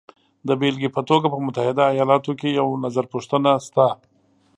د بېلګې په توګه په متحده ایالاتو کې یو نظرپوښتنه شته